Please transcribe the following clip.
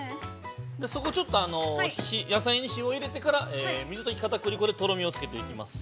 ◆そこちょっと、野菜に火を入れてから、水溶きかたくり粉でとろみをつけていきます。